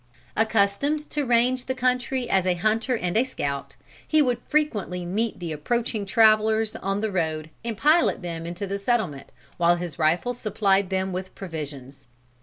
Accustomed to range the country as a hunter and a scout, he would frequently meet the approaching travelers on the road and pilot them into the settlement, while his rifle supplied them with provisions.